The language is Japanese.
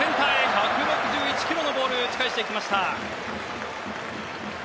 １６１キロのボールを打ち返していきました。